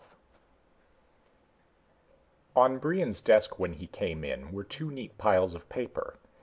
XII On Brion's desk when he came in, were two neat piles of paper.